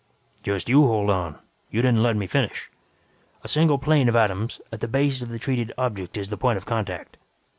"Just you hold on. You didn't let me finish. A single plane of atoms, at the base of the treated object is the point of contact.